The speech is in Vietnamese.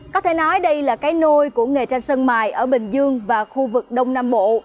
có thể nói đây là cái nôi của nghề tranh sân mài ở bình dương và khu vực đông nam bộ